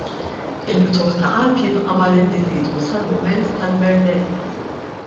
Il-qtugħ ta' qalb jibqa' mal-individwu sal-mument tal-verdett.